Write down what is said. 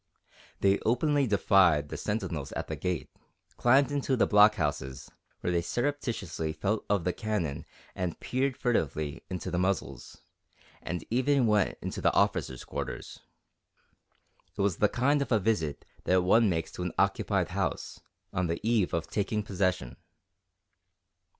They openly defied the sentinels at the gate, climbed into the blockhouses, where they surreptitiously felt of the cannon and peered furtively into the muzzles, and even went into the officers' quarters. It was the kind of a visit that one makes to an occupied house, on the eve of taking possession.